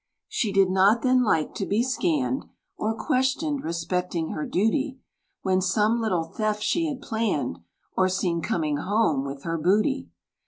She did not then like to be scanned, Or questioned respecting her duty, When some little theft she had planned, Or seen coming home with her booty.